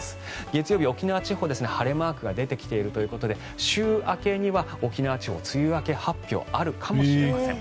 月曜日、沖縄地方は晴れマークが出てきているということで週明けには沖縄地方梅雨明け発表があるかもしれません。